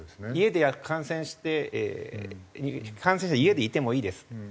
家で感染して感染者家にいてもいいです。